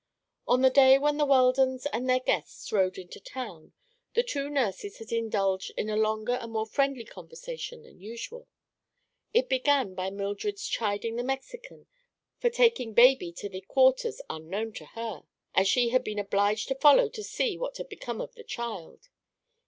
On the day when the Weldons and their guests rode into town, the two nurses had indulged in a longer and more friendly conversation than usual. It began by Mildred's chiding the Mexican for taking baby to the quarters unknown to her, as she had been obliged to follow to see what had become of the child.